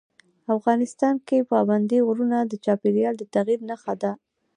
افغانستان کې پابندی غرونه د چاپېریال د تغیر نښه ده.